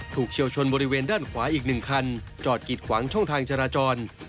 เฉียวชนบริเวณด้านขวาอีก๑คันจอดกิดขวางช่องทางจราจร